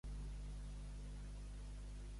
Quines són les meves llistes de pel·lícules?